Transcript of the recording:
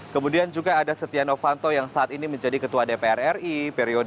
kemudian juga ada setia novanto yang saat ini menjadi ketua dpr ri periode dua ribu dua puluh